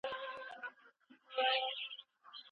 نوی ډیزاین وړاندې شو.